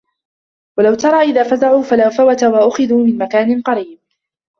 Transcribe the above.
وَلَو تَرى إِذ فَزِعوا فَلا فَوتَ وَأُخِذوا مِن مَكانٍ قَريبٍ